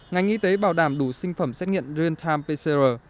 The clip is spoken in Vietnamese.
ngành y tế bảo đảm đủ sinh phẩm xét nghiệm real time pcr